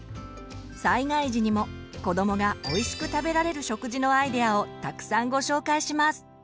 災害時にも子どもがおいしく食べられる食事のアイデアをたくさんご紹介します。